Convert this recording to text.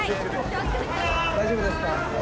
大丈夫ですか？